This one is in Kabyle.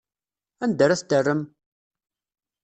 Anda ara t-terrem?